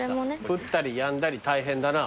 降ったりやんだり大変だな。